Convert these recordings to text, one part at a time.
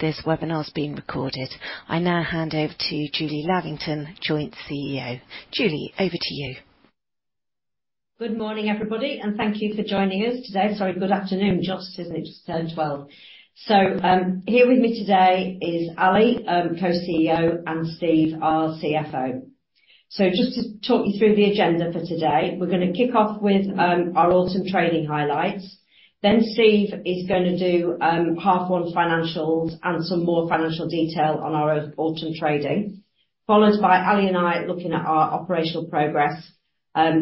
This webinar is being recorded. I now hand over to Julie Lavington, Joint CEO. Julie, over to you. Good morning, everybody, and thank you for joining us today. Sorry, good afternoon. Just as it just turned 12. So, here with me today is Ali, Co-CEO, and Steve, our CFO. So just to talk you through the agenda for today, we're gonna kick off with our autumn trading highlights. Then Steve is gonna do half one financials and some more financial detail on our autumn trading, followed by Ali and I looking at our operational progress,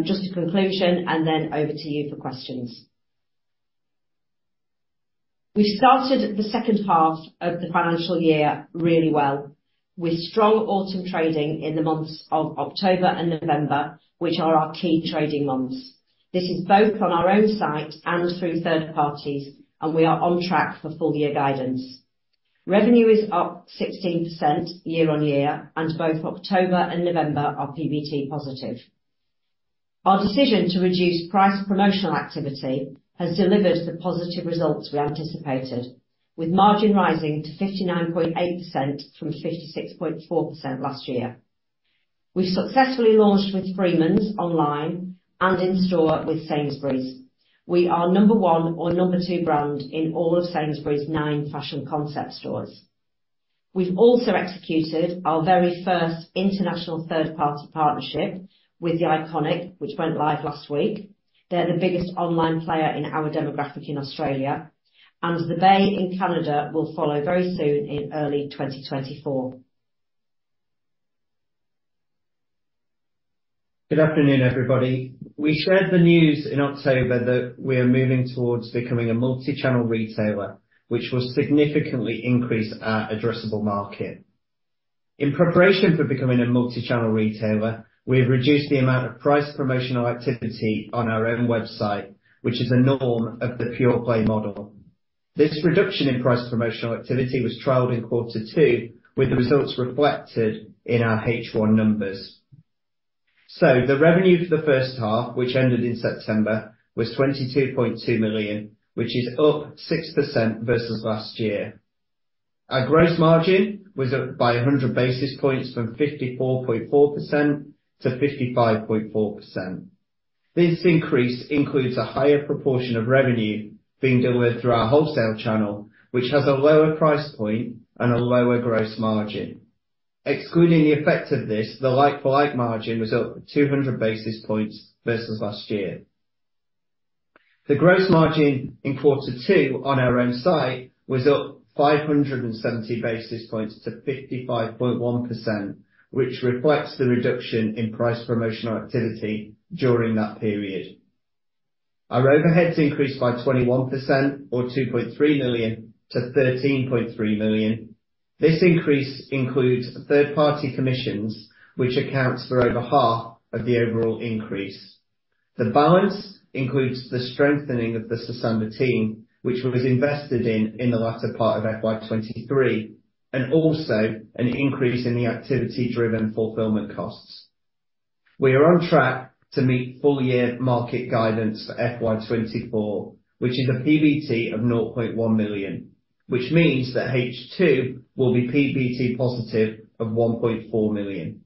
just a conclusion, and then over to you for questions. We started the second half of the financial year really well, with strong autumn trading in the months of October and November, which are our key trading months. This is both on our own site and through third parties, and we are on track for full year guidance. Revenue is up 16% year-on-year, and both October and November are PBT positive. Our decision to reduce price promotional activity has delivered the positive results we anticipated, with margin rising to 59.8% from 56.4% last year. We successfully launched with Freemans online and in store with Sainsbury's. We are number one or number two brand in all of Sainsbury's 9 fashion concept stores. We've also executed our very first international third-party partnership with THE ICONIC, which went live last week. They're the biggest online player in our demographic in Australia, and The Bay in Canada will follow very soon in early 2024. Good afternoon, everybody. We shared the news in October that we are moving towards becoming a multichannel retailer, which will significantly increase our addressable market. In preparation for becoming a multichannel retailer, we have reduced the amount of price promotional activity on our own website, which is a norm of the pure play model. This reduction in price promotional activity was trialed in quarter two, with the results reflected in our H1 numbers. So the revenue for the first half, which ended in September, was 22.2 million, which is up 6% versus last year. Our gross margin was up by 100 basis points from 54.4%-55.4%. This increase includes a higher proportion of revenue being delivered through our wholesale channel, which has a lower price point and a lower gross margin. Excluding the effect of this, the like-for-like margin was up 200 basis points versus last year. The gross margin in quarter two on our own site was up 570 basis points to 55.1%, which reflects the reduction in price promotional activity during that period. Our overheads increased by 21%, or 2.3 million to 13.3 million. This increase includes third-party commissions, which accounts for over half of the overall increase. The balance includes the strengthening of the Sosandar team, which was invested in, in the latter part of FY 2023, and also an increase in the activity-driven fulfillment costs. We are on track to meet full year market guidance for FY 2024, which is a PBT of 0.1 million, which means that H2 will be PBT positive of 1.4 million.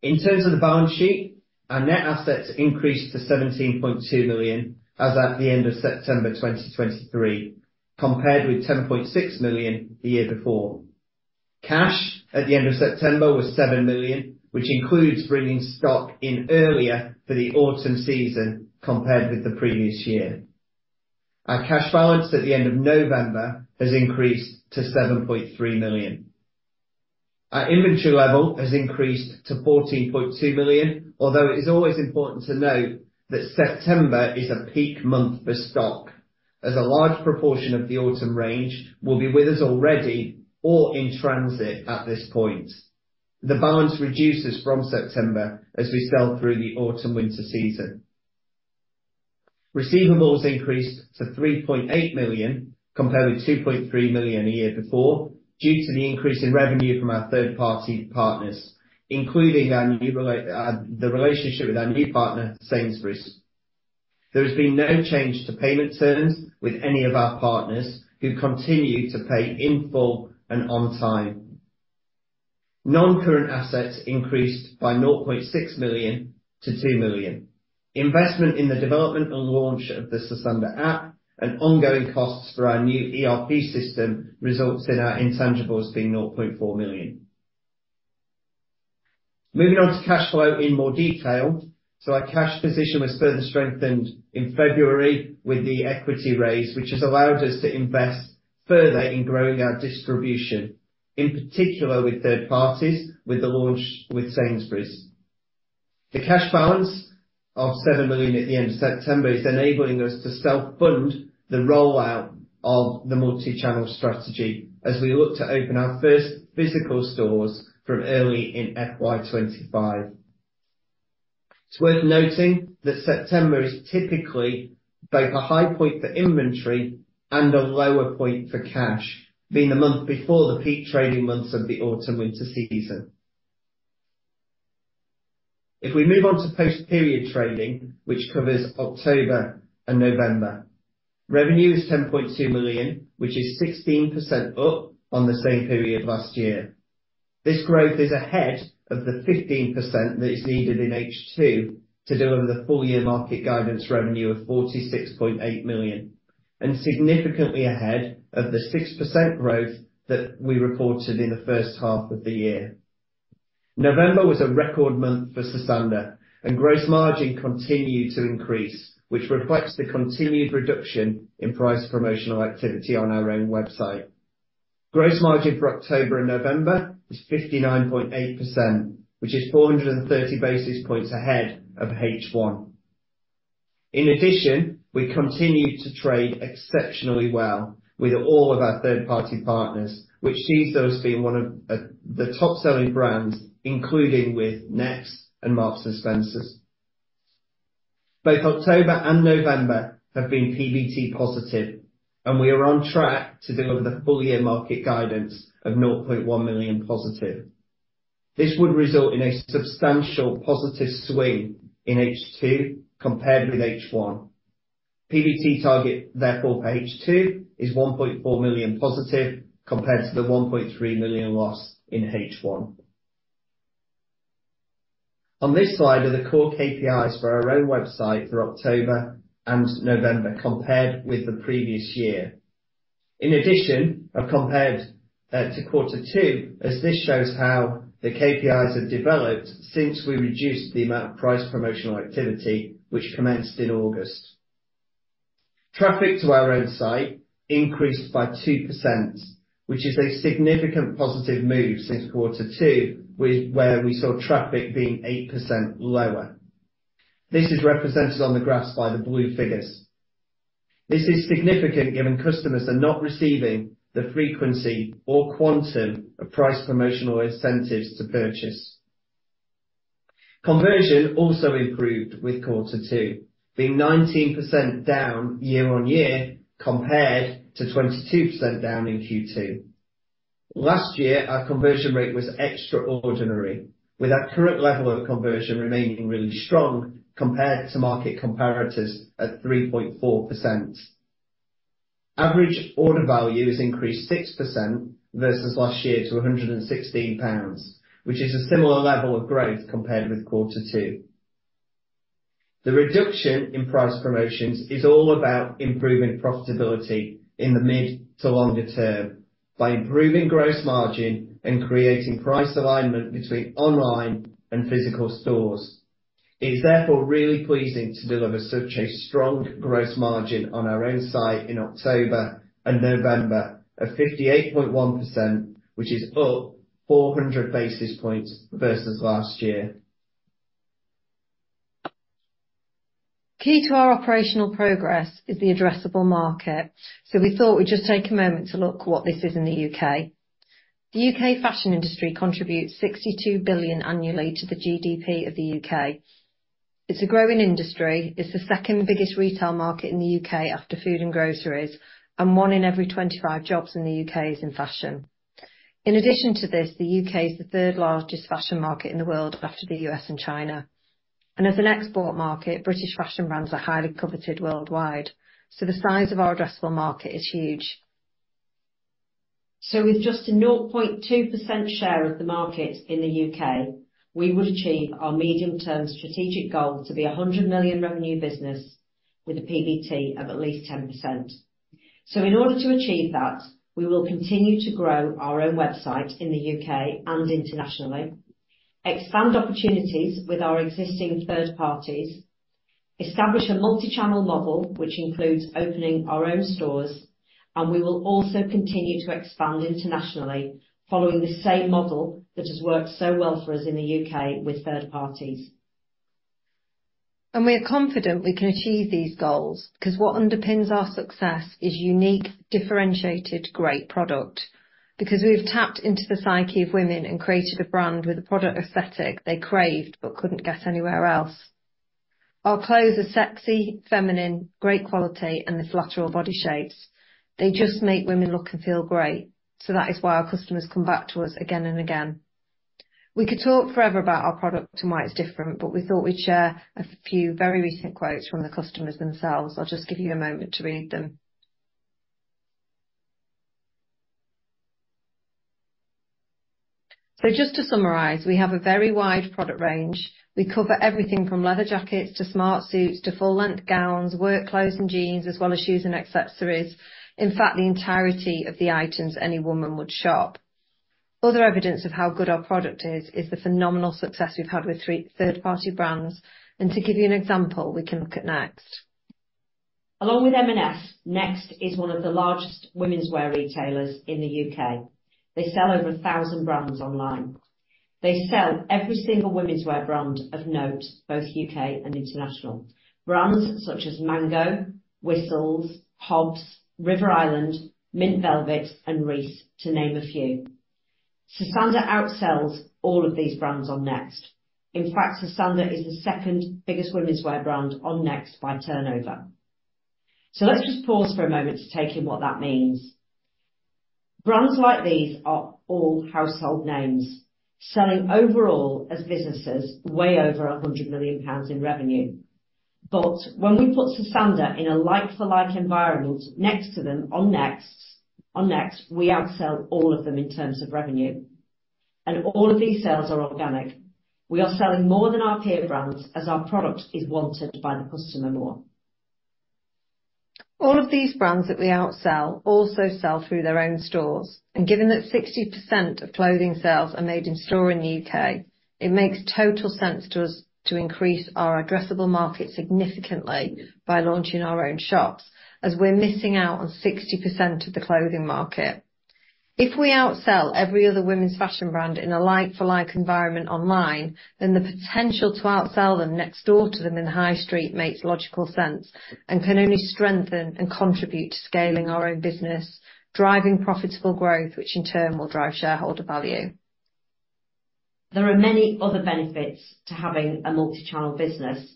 In terms of the balance sheet, our net assets increased to 17.2 million as at the end of September 2023, compared with 10.6 million the year before. Cash at the end of September was 7 million, which includes bringing stock in earlier for the autumn season compared with the previous year. Our cash balance at the end of November has increased to 7.3 million. Our inventory level has increased to 14.2 million, although it is always important to note that September is a peak month for stock, as a large proportion of the autumn range will be with us already or in transit at this point. The balance reduces from September as we sell through the autumn/winter season. Receivables increased to 3.8 million, compared with 2.3 million a year before, due to the increase in revenue from our third-party partners, including the relationship with our new partner, Sainsbury's. There has been no change to payment terms with any of our partners, who continue to pay in full and on time. Non-current assets increased by 0.6 million to 2 million. Investment in the development and launch of the Sosandar app and ongoing costs for our new ERP system results in our intangibles being 0.4 million. Moving on to cash flow in more detail. So our cash position was further strengthened in February with the equity raise, which has allowed us to invest further in growing our distribution, in particular with third parties, with the launch with Sainsbury's. The cash balance of 7 million at the end of September is enabling us to self-fund the rollout of the multichannel strategy as we look to open our first physical stores from early in FY 2025. It's worth noting that September is typically both a high point for inventory and a lower point for cash, being the month before the peak trading months of the autumn/winter season... If we move on to post-period trading, which covers October and November, revenue is 10.2 million, which is 16% up on the same period last year. This growth is ahead of the 15% that is needed in H2 to deliver the full year market guidance revenue of 46.8 million, and significantly ahead of the 6% growth that we reported in the first half of the year. November was a record month for Sosandar, and gross margin continued to increase, which reflects the continued reduction in price promotional activity on our own website. Gross margin for October and November is 59.8%, which is 430 basis points ahead of H1. In addition, we continued to trade exceptionally well with all of our third-party partners, which sees us being one of the top selling brands, including with Next and Marks & Spencer. Both October and November have been PBT positive, and we are on track to deliver the full year market guidance of 0.1 million positive. This would result in a substantial positive swing in H2 compared with H1. PBT target, therefore, for H2, is 1.4 million positive, compared to the 1.3 million loss in H1. On this slide are the core KPIs for our own website for October and November, compared with the previous year. In addition, I've compared to quarter two, as this shows how the KPIs have developed since we reduced the amount of price promotional activity, which commenced in August. Traffic to our own site increased by 2%, which is a significant positive move since quarter two, where we saw traffic being 8% lower. This is represented on the graphs by the blue figures. This is significant, given customers are not receiving the frequency or quantum of price promotional incentives to purchase. Conversion also improved with quarter two, being 19% down year-over-year, compared to 22% down in Q2. Last year, our conversion rate was extraordinary, with our current level of conversion remaining really strong compared to market comparators at 3.4%. Average order value has increased 6% versus last year, to £116, which is a similar level of growth compared with quarter two. The reduction in price promotions is all about improving profitability in the mid to longer term, by improving gross margin and creating price alignment between online and physical stores. It's therefore really pleasing to deliver such a strong gross margin on our own site in October and November, of 58.1%, which is up 400 basis points versus last year. Key to our operational progress is the addressable market, so we thought we'd just take a moment to look what this is in the U.K. The U.K. fashion industry contributes 62 billion annually to the GDP of the U.K. It's a growing industry. It's the second biggest retail market in the U.K, after food and groceries, and one in every 25 jobs in the U.K. is in fashion. In addition to this, the U.K. is the third largest fashion market in the world, after the U.S. and China. As an export market, British fashion brands are highly coveted worldwide, so the size of our addressable market is huge. With just a 0.2% share of the market in the U.K., we would achieve our medium-term strategic goal to be a 100 million revenue business, with a PBT of at least 10%. In order to achieve that, we will continue to grow our own website in the U.K. and internationally, expand opportunities with our existing third parties, establish a multi-channel model, which includes opening our own stores, and we will also continue to expand internationally, following the same model that has worked so well for us in the U.K. with third parties. We are confident we can achieve these goals, because what underpins our success is unique, differentiated, great product. Because we've tapped into the psyche of women and created a brand with a product aesthetic they craved, but couldn't get anywhere else. Our clothes are sexy, feminine, great quality, and they flatter all body shapes. They just make women look and feel great, so that is why our customers come back to us again and again. We could talk forever about our product and why it's different, but we thought we'd share a few very recent quotes from the customers themselves. I'll just give you a moment to read them. Just to summarize, we have a very wide product range. We cover everything from leather jackets to smart suits to full-length gowns, work clothes and jeans, as well as shoes and accessories. In fact, the entirety of the items any woman would shop. Other evidence of how good our product is, is the phenomenal success we've had with third-party brands, and to give you an example, we can look at Next. Along with M&S, Next is one of the largest womenswear retailers in the U.K. They sell over 1,000 brands online. They sell every single womenswear brand of note, both U.K. and international. Brands such as Mango, Whistles, Hobbs, River Island, Mint Velvet, and Reiss, to name a few. Sosandar outsells all of these brands on Next. In fact, Sosandar is the second biggest womenswear brand on Next, by turnover. So let's just pause for a moment to take in what that means. ... Brands like these are all household names, selling overall as businesses way over 100 million pounds in revenue. But when we put Sosandar in a like for like environment next to them on Next, on Next, we outsell all of them in terms of revenue, and all of these sales are organic. We are selling more than our peer brands as our product is wanted by the customer more. All of these brands that we outsell also sell through their own stores, and given that 60% of clothing sales are made in store in the U.K, it makes total sense to us to increase our addressable market significantly by launching our own shops, as we're missing out on 60% of the clothing market. If we outsell every other women's fashion brand in a like for like environment online, then the potential to outsell them next door to them in the high street makes logical sense and can only strengthen and contribute to scaling our own business, driving profitable growth, which in turn will drive shareholder value. There are many other benefits to having a multi-channel business.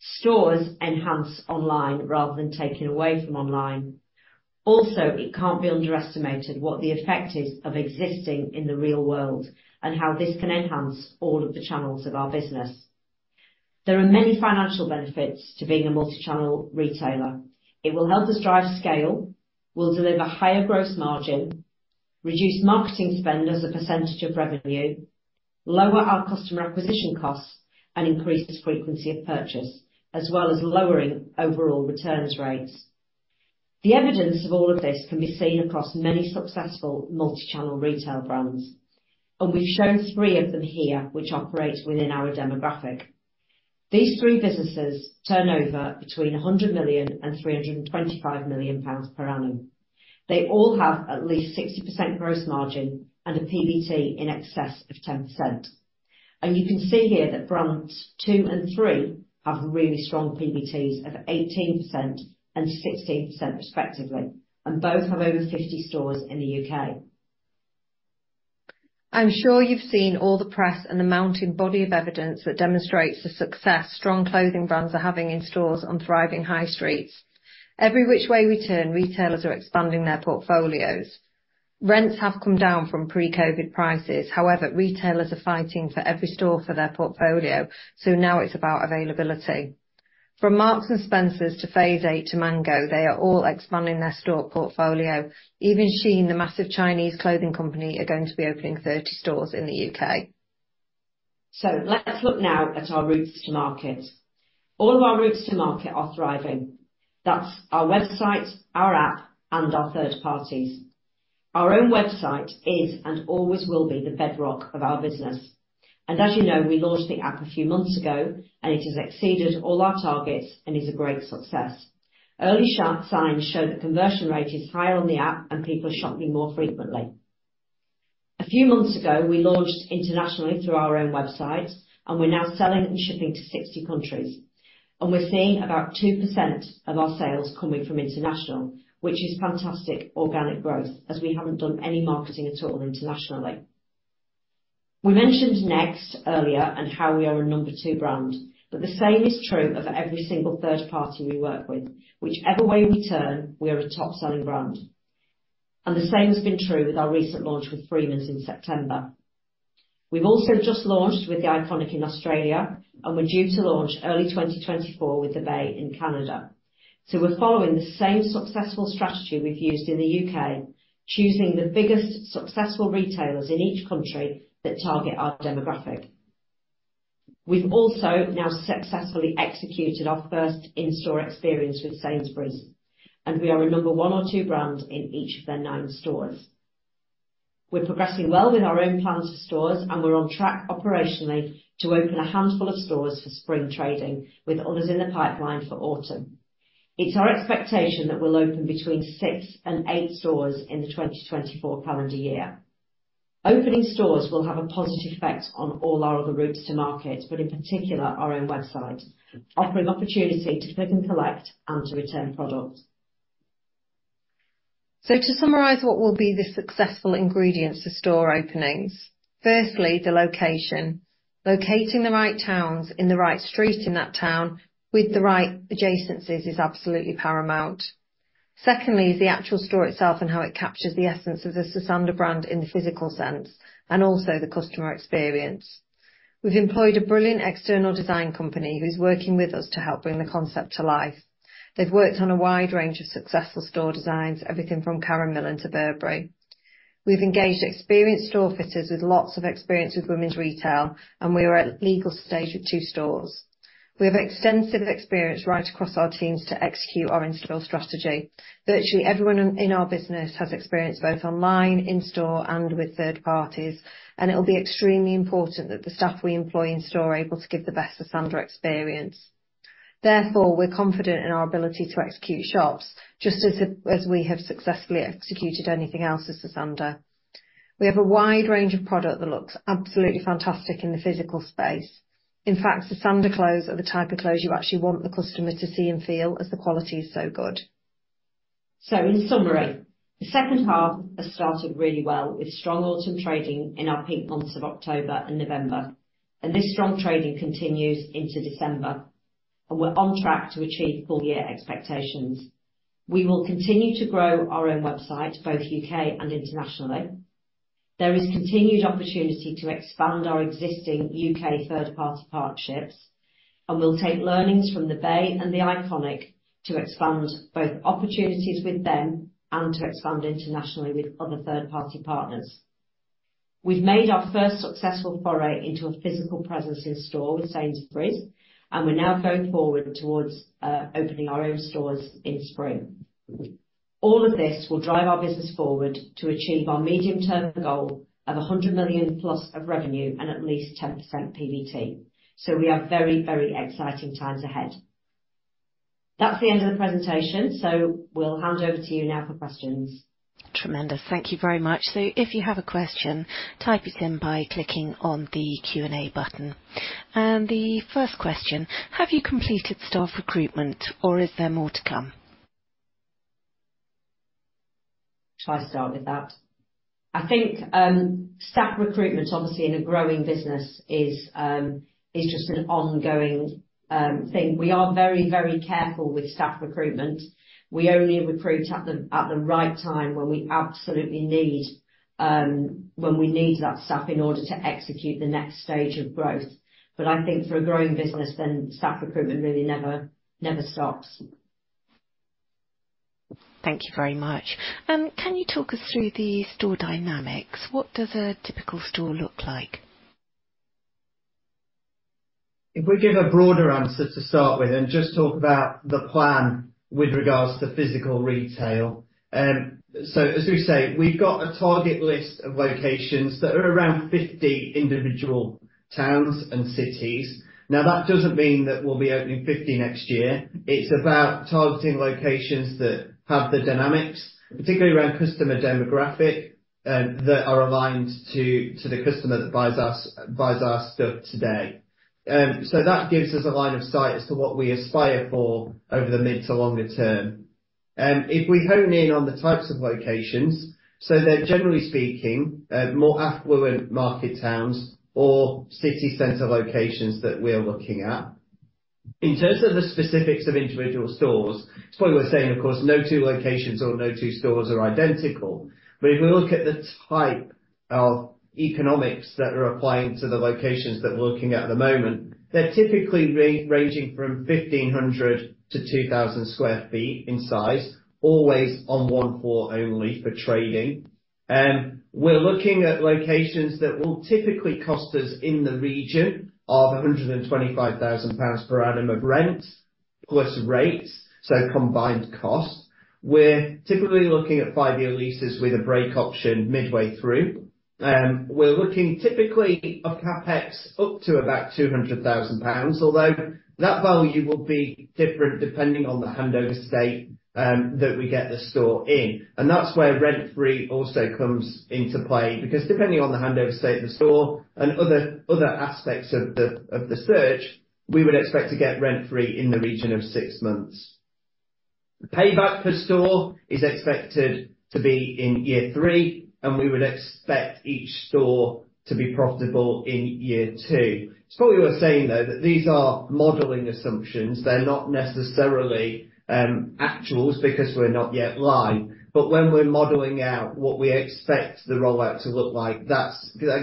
Stores enhance online rather than taking away from online. Also, it can't be underestimated what the effect is of existing in the real world and how this can enhance all of the channels of our business. There are many financial benefits to being a multi-channel retailer. It will help us drive scale, will deliver higher gross margin, reduce marketing spend as a percentage of revenue, lower our customer acquisition costs, and increase the frequency of purchase, as well as lowering overall returns rates. The evidence of all of this can be seen across many successful multi-channel retail brands, and we've shown three of them here, which operate within our demographic. These three businesses turn over between 100 million and 325 million pounds per annum. They all have at least 60% gross margin and a PBT in excess of 10%. And you can see here that brands 2 and 3 have really strong PBTs of 18% and 16% respectively, and both have over 50 stores in the U.K. I'm sure you've seen all the press and the mounting body of evidence that demonstrates the success strong clothing brands are having in stores on thriving high streets. Every which way we turn, retailers are expanding their portfolios. Rents have come down from pre-COVID prices. However, retailers are fighting for every store for their portfolio, so now it's about availability. From Marks & Spencer to Phase Eight to Mango, they are all expanding their store portfolio. Even Shein, the massive Chinese clothing company, are going to be opening 30 stores in the U.K. Let's look now at our routes to market. All of our routes to market are thriving. That's our website, our app, and our third parties. Our own website is, and always will be, the bedrock of our business. As you know, we launched the app a few months ago, and it has exceeded all our targets and is a great success. Early sharp signs show that conversion rate is higher on the app, and people are shopping more frequently. A few months ago, we launched internationally through our own website, and we're now selling and shipping to 60 countries. We're seeing about 2% of our sales coming from international, which is fantastic organic growth, as we haven't done any marketing at all internationally. We mentioned Next earlier and how we are a number two brand, but the same is true of every single third party we work with. Whichever way we turn, we are a top-selling brand, and the same has been true with our recent launch with Freemans in September. We've also just launched with THE ICONIC in Australia, and we're due to launch early 2024 with The Bay in Canada. So we're following the same successful strategy we've used in the U.K, choosing the biggest successful retailers in each country that target our demographic. We've also now successfully executed our first in-store experience with Sainsbury's, and we are a number one or two brand in each of their nine stores. We're progressing well with our own plans for stores, and we're on track operationally to open a handful of stores for spring trading, with others in the pipeline for autumn. It's our expectation that we'll open between 6 stores and 8 stores in the 2024 calendar year. Opening stores will have a positive effect on all our other routes to market, but in particular, our own website, offering opportunity to click and collect and to return products. So to summarize, what will be the successful ingredients for store openings? Firstly, the location. Locating the right towns in the right street in that town, with the right adjacencies is absolutely paramount. Secondly, is the actual store itself and how it captures the essence of the Sosandar brand in the physical sense, and also the customer experience. We've employed a brilliant external design company who's working with us to help bring the concept to life. They've worked on a wide range of successful store designs, everything from Karen Millen to Burberry. We've engaged experienced store fitters with lots of experience with women's retail, and we are at legal stage with two stores. We have extensive experience right across our teams to execute our in-store strategy. Virtually everyone in our business has experience, both online, in-store, and with third parties, and it'll be extremely important that the staff we employ in store are able to give the best Sosandar experience. Therefore, we're confident in our ability to execute shops just as we have successfully executed anything else as Sosandar. We have a wide range of product that looks absolutely fantastic in the physical space. In fact, Sosandar clothes are the type of clothes you actually want the customer to see and feel, as the quality is so good. So in summary, the second half has started really well, with strong autumn trading in our peak months of October and November, and this strong trading continues into December, and we're on track to achieve full year expectations. We will continue to grow our own website, both U.K. and internationally. There is continued opportunity to expand our existing U.K. third party partnerships, and we'll take learnings from The Bay and The Iconic to expand both opportunities with them and to expand internationally with other third party partners. We've made our first successful foray into a physical presence in-store with Sainsbury's, and we're now going forward towards opening our own stores in spring. All of this will drive our business forward to achieve our medium-term goal of 100 million+ of revenue and at least 10% PBT. So we have very, very exciting times ahead. That's the end of the presentation, so we'll hand over to you now for questions. Tremendous. Thank you very much. If you have a question, type it in by clicking on the Q&A button. The first question: Have you completed staff recruitment, or is there more to come? Shall I start with that? I think, staff recruitment, obviously, in a growing business is just an ongoing thing. We are very, very careful with staff recruitment. We only recruit at the right time when we need that staff in order to execute the next stage of growth. But I think for a growing business, then staff recruitment really never, never stops. Thank you very much. Can you talk us through the store dynamics? What does a typical store look like? If we give a broader answer to start with and just talk about the plan with regards to physical retail. So as we say, we've got a target list of locations that are around 50 individual towns and cities. Now, that doesn't mean that we'll be opening 50 next year. It's about targeting locations that have the dynamics, particularly around customer demographic, that are aligned to the customer that buys us, buys our stuff today. So that gives us a line of sight as to what we aspire for over the mid to longer term. If we hone in on the types of locations, so they're, generally speaking, more affluent market towns or city center locations that we're looking at. In terms of the specifics of individual stores, it's probably worth saying, of course, no two locations or no two stores are identical. But if we look at the type of economics that are applying to the locations that we're looking at the moment, they're typically ranging from 1,500 sq ft-2,000 sq ft in size, always on one floor only, for trading. We're looking at locations that will typically cost us in the region of 125,000 pounds per annum of rent, plus rates, so combined cost. We're typically looking at 5-year leases with a break option midway through. We're looking typically a CapEx up to about 200,000 pounds, although that value will be different depending on the handover state that we get the store in. That's where rent-free also comes into play, because depending on the handover state of the store and other aspects of the search, we would expect to get rent-free in the region of 6 months. The payback per store is expected to be in year 3, and we would expect each store to be profitable in year 2. It's probably worth saying, though, that these are modeling assumptions. They're not necessarily actuals, because we're not yet live. When we're modeling out what we expect the rollout to look like, that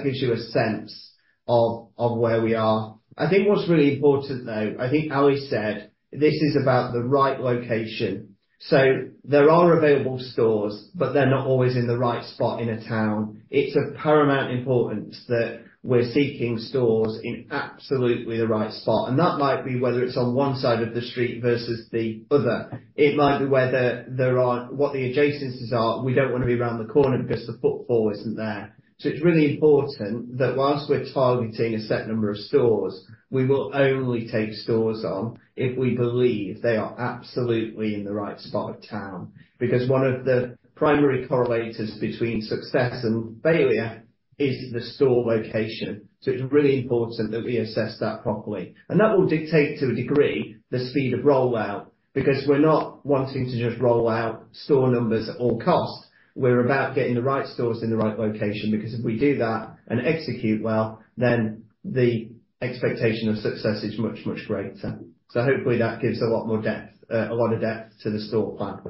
gives you a sense of where we are. I think what's really important, though, I think Ali said, this is about the right location. There are available stores, but they're not always in the right spot in a town. It's of paramount importance that we're seeking stores in absolutely the right spot, and that might be whether it's on one side of the street versus the other. It might be whether there are... What the adjacencies are. We don't want to be around the corner because the footfall isn't there. So it's really important that whilst we're targeting a set number of stores, we will only take stores on if we believe they are absolutely in the right spot of town, because one of the primary correlators between success and failure is the store location. So it's really important that we assess that properly. And that will dictate, to a degree, the speed of rollout, because we're not wanting to just roll out store numbers at all costs. We're about getting the right stores in the right location, because if we do that and execute well, then the expectation of success is much, much greater. So hopefully that gives a lot more depth, a lot of depth to the store plan.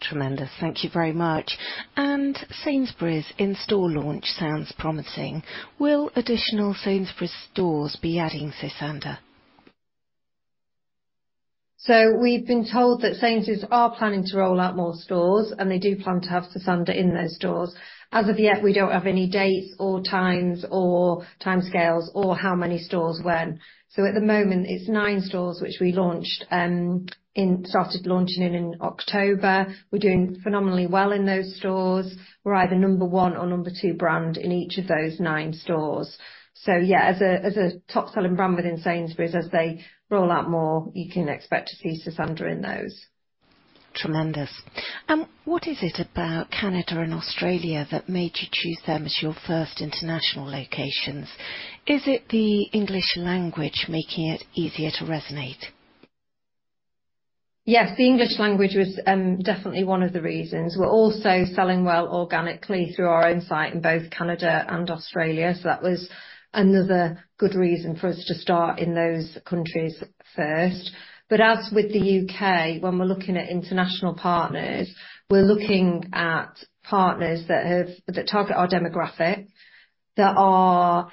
Tremendous. Thank you very much. Sainsbury's in-store launch sounds promising. Will additional Sainsbury's stores be adding Sosandar? So we've been told that Sainsbury's are planning to roll out more stores, and they do plan to have Sosandar in those stores. As of yet, we don't have any dates or times or timescales or how many stores when. So at the moment, it's nine stores, which we launched, started launching in October. We're doing phenomenally well in those stores. We're either number one or number two brand in each of those nine stores. So yeah, as a top-selling brand within Sainsbury's, as they roll out more, you can expect to see Sosandar in those. Tremendous. And what is it about Canada and Australia that made you choose them as your first international locations? Is it the English language making it easier to resonate?... Yes, the English language was definitely one of the reasons. We're also selling well organically through our own site in both Canada and Australia, so that was another good reason for us to start in those countries first. But as with the U.K, when we're looking at international partners, we're looking at partners that target our demographic, that are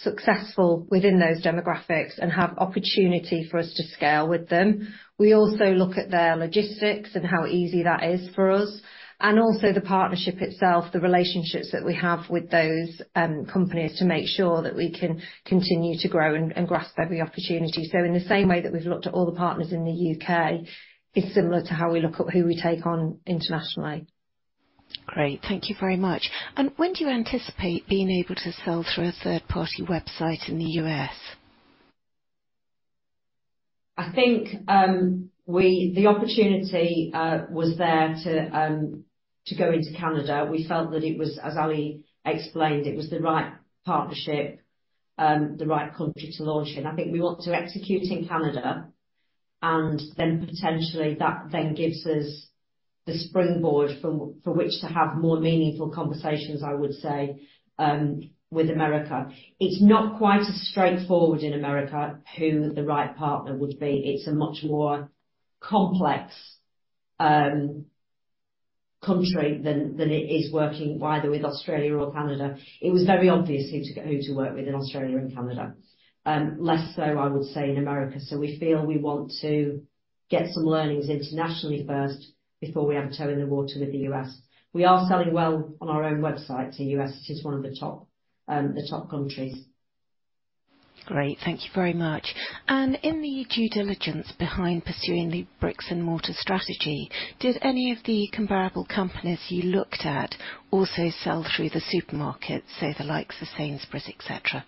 successful within those demographics and have opportunity for us to scale with them. We also look at their logistics and how easy that is for us, and also the partnership itself, the relationships that we have with those companies, to make sure that we can continue to grow and grasp every opportunity. So in the same way that we've looked at all the partners in the U.K, it's similar to how we look at who we take on internationally. Great, thank you very much. When do you anticipate being able to sell through a third-party website in the U.S.? I think, the opportunity was there to go into Canada. We felt that it was, as Ali explained, it was the right partnership, the right country to launch in. I think we want to execute in Canada, and then, potentially, that then gives us the springboard for which to have more meaningful conversations, I would say, with America. It's not quite as straightforward in America, who the right partner would be. It's a much more complex country than it is working, either with Australia or Canada. It was very obvious who to work with in Australia and Canada, less so, I would say, in America. So we feel we want to get some learnings internationally first, before we have a toe in the water with the U.S. We are selling well on our own website to U.S. It's one of the top, the top countries. Great, thank you very much. And in the due diligence behind pursuing the brick-and-mortar strategy, did any of the comparable companies you looked at also sell through the supermarket, say, the likes of Sainsbury's, et cetera?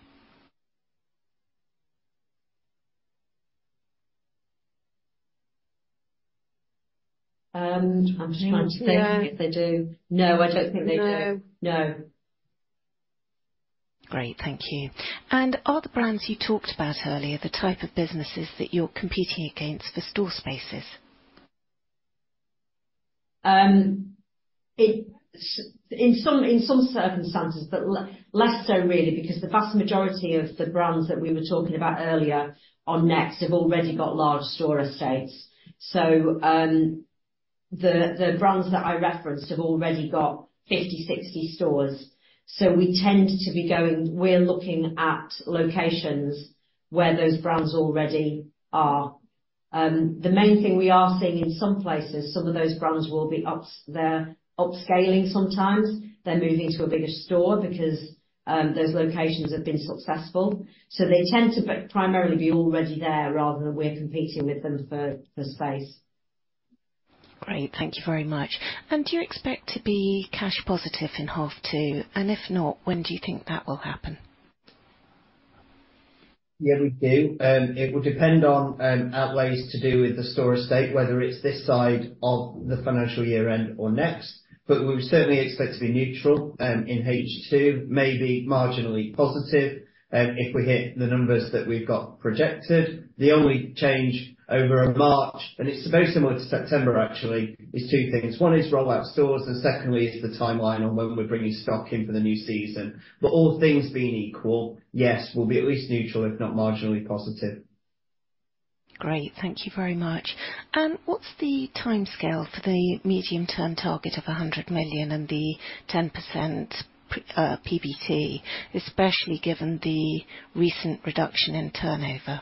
I'm just trying to think if they do. No, I don't think they do. No. No. Great, thank you. And are the brands you talked about earlier the type of businesses that you're competing against for store spaces? In some circumstances, but less so really, because the vast majority of the brands that we were talking about earlier on Next have already got large store estates. So, the brands that I referenced have already got 50 stores, 60 stores, so we tend to be going... We're looking at locations where those brands already are. The main thing we are seeing in some places, some of those brands will be upscaling sometimes. They're moving to a bigger store because those locations have been successful. So they tend to be primarily already there rather than we're competing with them for space. Great, thank you very much. And do you expect to be cash positive in half two? And if not, when do you think that will happen? Yeah, we do. It will depend on outlays to do with the store estate, whether it's this side of the financial year end or next, but we certainly expect to be neutral in H2, maybe marginally positive, if we hit the numbers that we've got projected. The only change over in March, and it's very similar to September, actually, is two things. One is rollout stores, and secondly is the timeline on when we're bringing stock in for the new season. But all things being equal, yes, we'll be at least neutral, if not marginally positive. Great, thank you very much. And what's the timescale for the medium-term target of 100 million and the 10% PBT, especially given the recent reduction in turnover?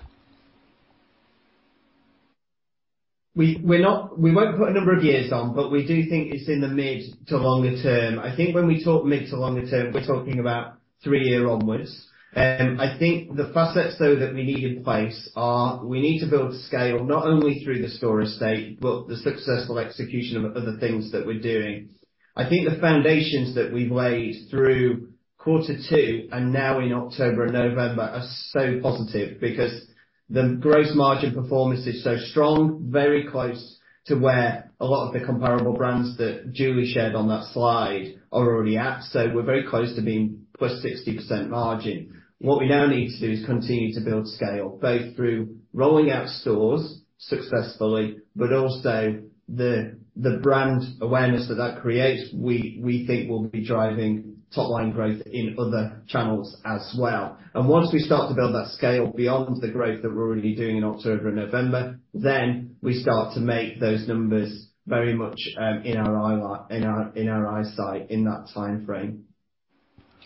We're not—we won't put a number of years on, but we do think it's in the mid- to longer-term. I think when we talk mid- to longer-term, we're talking about three-year onwards. I think the first steps, though, that we need in place are, we need to build scale, not only through the store estate, but the successful execution of other things that we're doing. I think the foundations that we've laid through quarter two and now in October and November are so positive because the gross margin performance is so strong, very close to where a lot of the comparable brands that Julie shared on that slide are already at. So we're very close to being +60% margin. What we now need to do is continue to build scale, both through rolling out stores successfully, but also the brand awareness that creates, we think will be driving top line growth in other channels as well. And once we start to build that scale beyond the growth that we're already doing in October and November, then we start to make those numbers very much in our eyesight, in that timeframe.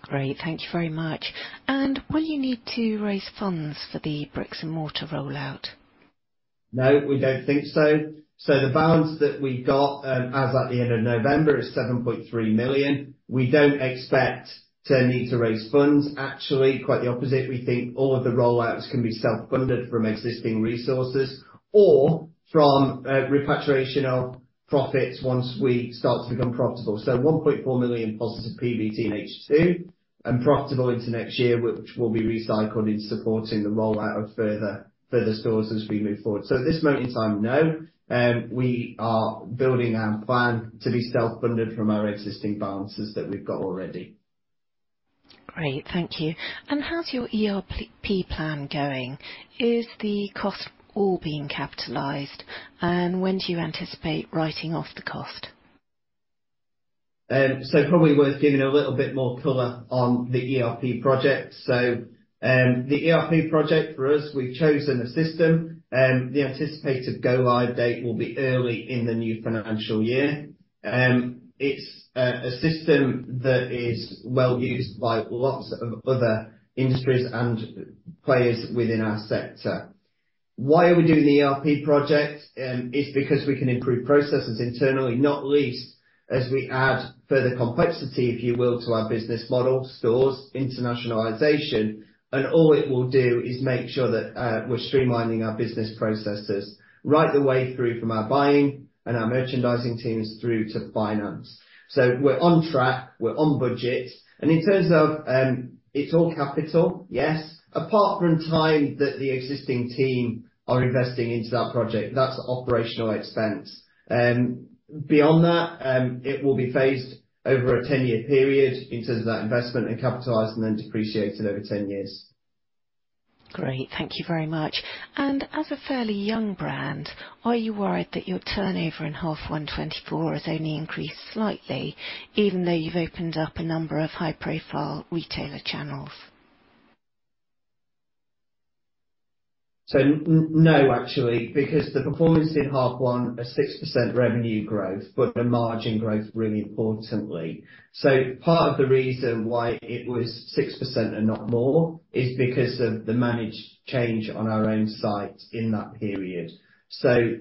Great, thank you very much. And will you need to raise funds for the bricks-and-mortar rollout? No, we don't think so. So the balance that we got, as at the end of November, is 7.3 million. We don't expect to need to raise funds. Actually, quite the opposite. We think all of the rollouts can be self-funded from existing resources or from repatriation of profits once we start to become profitable. So 1.4 million positive PBT in H2, and profitable into next year, which will be recycled in supporting the rollout of further stores as we move forward. So at this moment in time, no. We are building our plan to be self-funded from our existing balances that we've got already.... Great. Thank you. How's your ERP plan going? Is the cost all being capitalized, and when do you anticipate writing off the cost? So probably worth giving a little bit more color on the ERP project. So, the ERP project for us, we've chosen a system, the anticipated go-live date will be early in the new financial year. It's a system that is well used by lots of other industries and players within our sector. Why are we doing the ERP project? It's because we can improve processes internally, not least, as we add further complexity, if you will, to our business model, stores, internationalization, and all it will do, is make sure that we're streamlining our business processes right the way through from our buying and our merchandising teams, through to finance. So we're on track, we're on budget, and in terms of, it's all capital, yes, apart from time that the existing team are investing into that project, that's operational expense. Beyond that, it will be phased over a 10-year period in terms of that investment, and capitalized, and then depreciated over 10 years. Great. Thank you very much. As a fairly young brand, are you worried that your turnover in H1 2024 has only increased slightly, even though you've opened up a number of high-profile retailer channels? So no, actually, because the performance in half one, a 6% revenue growth, but a margin growth, really importantly. So part of the reason why it was 6% and not more, is because of the managed change on our own site in that period. So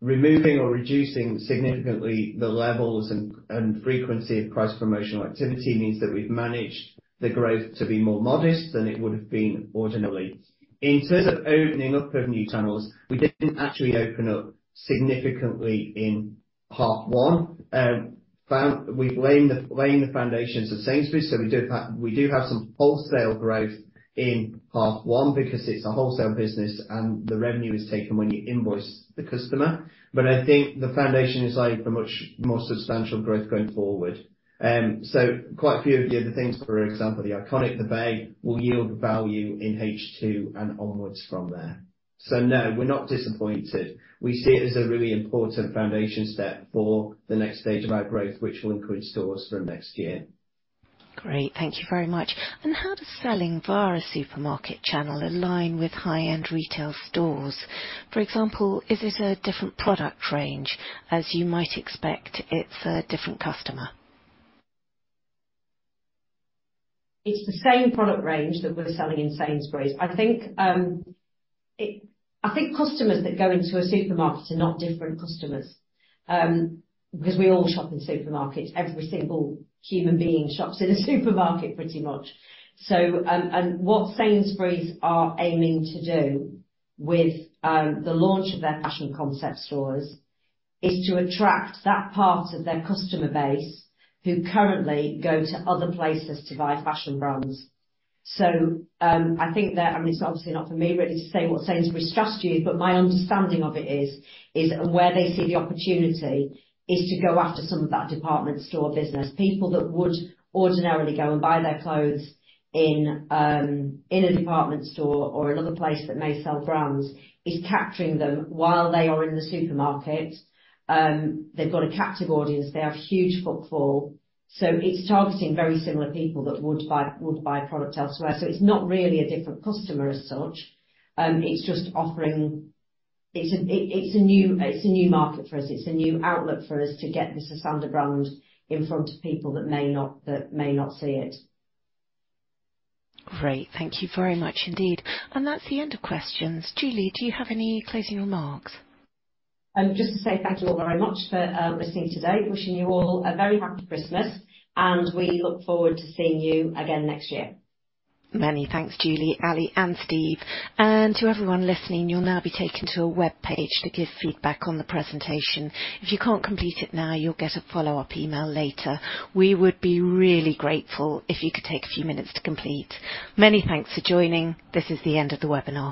removing or reducing significantly, the levels and frequency of price promotional activity, means that we've managed the growth to be more modest than it would have been ordinarily. In terms of opening up of new channels, we didn't actually open up significantly in half one. We've laying the foundations of Sainsbury's, so we do have some wholesale growth in half one, because it's a wholesale business, and the revenue is taken when you invoice the customer. But I think the foundation is like, a much more substantial growth going forward. So quite a few of the other things, for example, The Iconic, The Bay, will yield value in H2 and onwards from there. So no, we're not disappointed. We see it as a really important foundation step for the next stage of our growth, which will include stores for next year. Great. Thank you very much. How does selling via a supermarket channel align with high-end retail stores? For example, is it a different product range, as you might expect it's a different customer? It's the same product range that we're selling in Sainsbury's. I think, I think customers that go into a supermarket are not different customers. Because we all shop in supermarkets. Every single human being shops in a supermarket, pretty much. So, and what Sainsbury's are aiming to do with, the launch of their fashion concept stores, is to attract that part of their customer base, who currently go to other places to buy fashion brands. So, I think that, I mean, it's obviously not for me really, to say what Sainsbury's strategy is, but my understanding of it is, is where they see the opportunity, is to go after some of that department store business. People that would ordinarily go and buy their clothes in a department store, or another place that may sell brands, is capturing them while they are in the supermarket. They've got a captive audience. They have huge footfall. So it's targeting very similar people that would buy, would buy product elsewhere. So it's not really a different customer as such, it's just offering. It's a new market for us, it's a new outlook for us to get the Sosandar brand in front of people that may not, that may not see it. Great. Thank you very much indeed. That's the end of questions. Julie, do you have any closing remarks? Just to say thank you all very much for listening today. Wishing you all a very happy Christmas, and we look forward to seeing you again next year. Many thanks, Julie, Ali, and Steve. To everyone listening, you'll now be taken to a webpage to give feedback on the presentation. If you can't complete it now, you'll get a follow-up email later. We would be really grateful if you could take a few minutes to complete. Many thanks for joining. This is the end of the webinar.